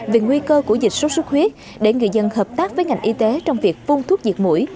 về nguy cơ của dịch sốt xuất huyết để người dân hợp tác với ngành y tế trong việc phun thuốc diệt mũi